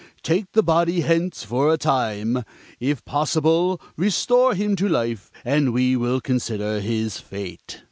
Take the body hence for a time; if possible, restore him to life, and we will consider his fate."